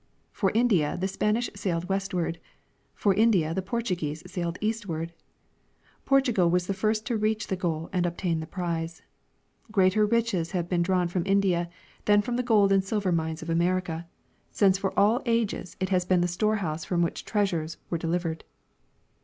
For India the Spanish sailed westAvard ; for India the Portuguese sailed eastAvard ; Portugal Avas the first to reach the goal and obtain the prize. Greater riches have been draAvn from India than from the gold and silver mines of America, since The Wealth of the Indies. 9 for all ages it has Leen the storehouse from which treasures were derived.